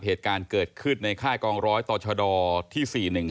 เหตุการณ์เกิดขึ้นในค่ายกองร้อยต่อชดที่๔๑๕